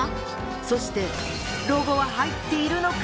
そしてロゴは入っているのか。